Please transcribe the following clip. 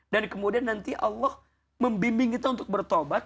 dan kemudian nanti allah membimbing kita untuk bertobat